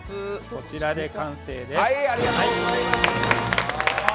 こちらで完成です。